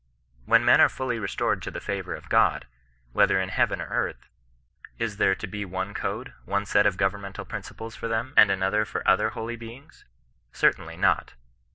139 When men are fully restored to the favour of God, whe ther in heaven or earth, is there to be one code, one set of governmental principles for them, and another for other holy beings 1 Certainly not.